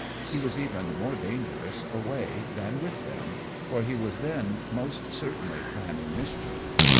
He was even more dangerous away than with them, for he was then most certainly planning mischief.